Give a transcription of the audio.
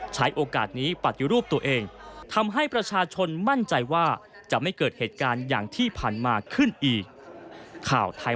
ใช้โอกาสนี้ปฏิรูปตัวเองทำให้ประชาชนมั่นใจว่าจะไม่เกิดเหตุการณ์อย่างที่ผ่านมาขึ้นอีก